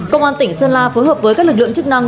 công an tỉnh sơn la phối hợp với các lực lượng chức năng